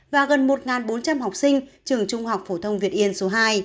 và gần một bốn trăm linh học sinh trường trung học phổ thông việt yên số hai